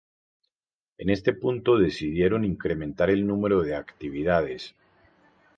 En este punto decidieron incrementar el número de actividades.